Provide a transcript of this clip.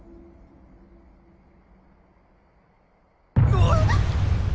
うわっ！